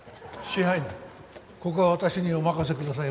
支配人ここは私にお任せください。